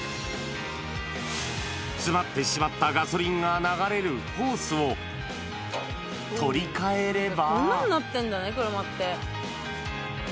詰まってしまったガソリンが流れるホースを取り替えれば。